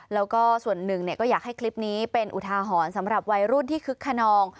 แล้วก็ส่วนหนึ่งก็อยากให้คลิปนี้เป็นอุทาหรณ์สำหรับวัยรุ่นที่คึกขนอง